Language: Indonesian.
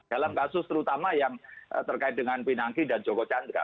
dalam kasus terutama yang terkait dengan pinangki dan joko chandra